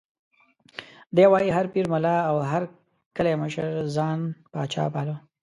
دی وایي: هر پیر، ملا او د هر کلي مشر ځان پاچا باله.